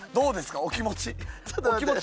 お気持ち。